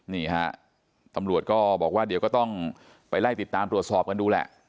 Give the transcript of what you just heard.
นี่ฮะตำรวจก็บอกว่าเดี๋ยวก็ต้องไปไล่ติดตามตรวจสอบกันดูแหละ